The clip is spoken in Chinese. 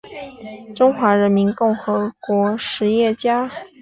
中华人民共和国实业家。